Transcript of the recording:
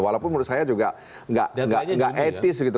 walaupun menurut saya juga nggak etis gitu